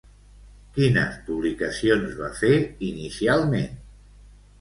Quines publicacions va fer inicialment?